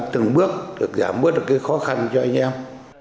từng bước giảm bớt khó khăn cho anh em